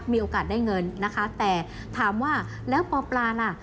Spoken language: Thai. มีโอกาสได้เงินนะคะแต่ถามว่าแล้วปปลาล่ะ